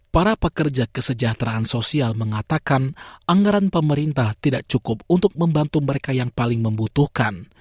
para pekerja kesejahteraan sosial mengatakan anggaran pemerintah tidak cukup untuk membantu mereka yang paling membutuhkan